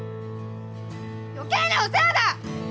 余計なお世話だ！